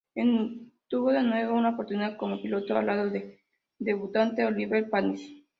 En tuvo de nuevo una oportunidad como piloto, al lado del debutante Olivier Panis.